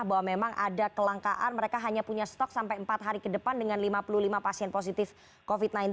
bahwa memang ada kelangkaan mereka hanya punya stok sampai empat hari ke depan dengan lima puluh lima pasien positif covid sembilan belas